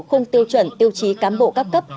không tiêu chuẩn tiêu chí cám bộ cấp cấp